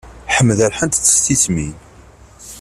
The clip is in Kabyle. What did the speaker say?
Ḥmed rḥant-t tismin.